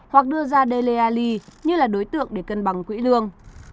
và đưa ra dele alli như là đối tượng để cân bằng quỹ lương